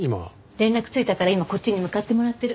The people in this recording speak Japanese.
連絡ついたから今こっちに向かってもらってる。